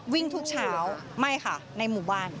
วิ่งทุกเช้าไม่ค่ะในหมู่บ้าน